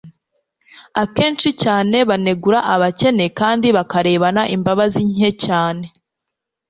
akenshi cyane banegura abakene kandi bakarebana imbabazi nke cyane